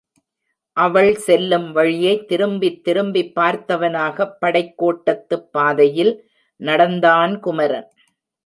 அவள் செல்லும் வழியைத் திரும்பித் திரும்பிப் பார்த்தவனாகப் படைக் கோட்டத்துப் பாதையில் நடந்தான் குமரன்.